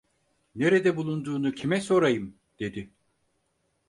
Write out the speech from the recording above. Nerede bulunduğunu kime sorayım?" dedi.